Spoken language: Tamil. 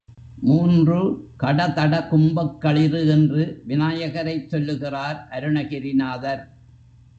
மூன்று கடதட கும்பக் களிறு என்று விநாயகரைச் சொல்லுகிறார் அருணகிரிநாதர்.